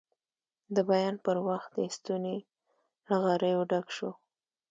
د بیان پر وخت یې ستونی له غریو ډک شو.